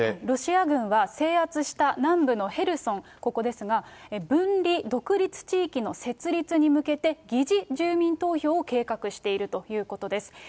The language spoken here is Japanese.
ロシア軍は制圧した南部のヘルソン、ここですが、分離独立地域の成立に向けて、擬似住民投票を計画しているということです。